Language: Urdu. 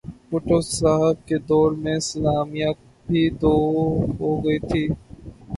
بھٹو صاحب کے دور میں اسلامیات بھی دو ہو گئی تھیں۔